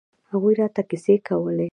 هغوى راته کيسې کولې.